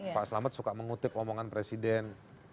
pak selamat suka mengutip omongan presiden